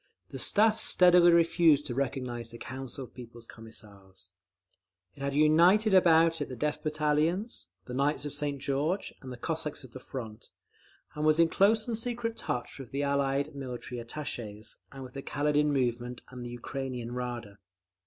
The Staff steadily refused to recognise the Council of People's Commissars. It had united about it the Death Battalions, the Knights of St. George, and the Cossacks of the Front, and was in close and secret touch with the Allied military attachès, and with the Kaledin movement and the Ukrainean Rada….